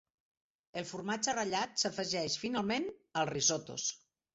El formatge ratllat s'afegeix finalment als risottos.